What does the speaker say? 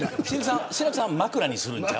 志らくさんは枕にするんちゃう。